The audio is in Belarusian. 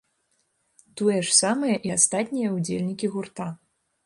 Тое ж самае і астатнія ўдзельнікі гурта.